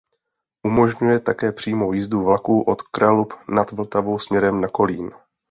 Umožňuje také přímou jízdu vlaků od Kralup nad Vltavou směrem na Kolín.